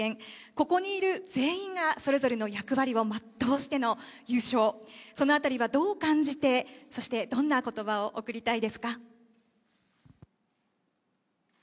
ここにいる全員がそれぞれの役割を全うしての優勝、その辺りはどう感じて、そしてどんな言葉を送りたいですか。